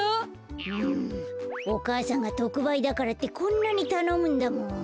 うんおかあさんがとくばいだからってこんなにたのむんだもん。